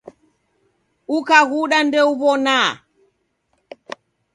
Ukaghuda ndeuw'onaa